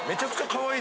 かわいい。